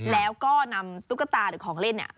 แล้วก็นำตุ๊กตาหรือของเล่นเนี่ย